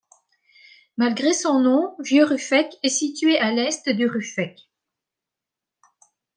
Malgré son nom, Vieux-Ruffec est situé à à l'est de Ruffec.